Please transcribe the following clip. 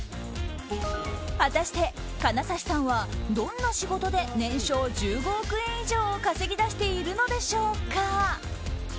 果たして、金指さんはどんな仕事で年商１５億円以上を稼ぎ出しているのでしょうか。